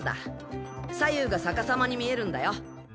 左右が逆さまに見えるんだよ。